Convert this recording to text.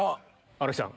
新木さん。